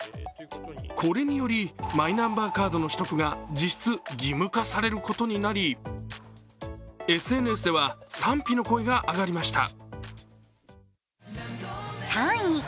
これにより、マイナンバーカードの取得が実質義務化されることになりＳＮＳでは賛否の声が上がりました。